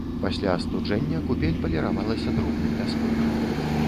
Пасля астуджэння купель паліравалася дробным пяском.